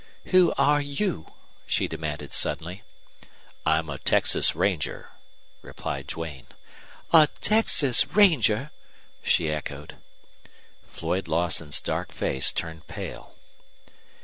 "Who are you?" she demanded, suddenly. "I'm a Texas Ranger," replied Duane. "A TEXAS RANGER!" she echoed. Floyd Lawson's dark face turned pale.